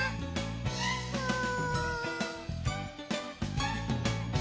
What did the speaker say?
うん。